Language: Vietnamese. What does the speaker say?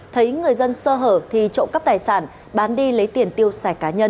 thấy người dân sơ hở thì trộm cắp tài sản bán đi lấy tiền tiêu xài cá nhân